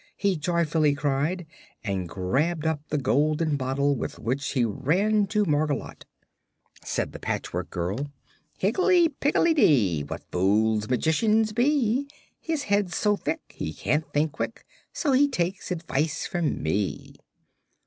he joyfully cried, and grabbed up the golden bottle, with which he ran to Margolotte. Said the Patchwork Girl: "Higgledy, piggledy, dee What fools magicians be! His head's so thick He can't think quick, So he takes advice from me."